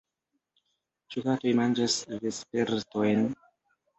Ĉu katoj manĝas vespertojn?